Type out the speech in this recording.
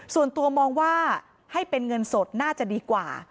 ส่วนตัวมองว่าให้เป็นเงินสดน่าจะดีกว่า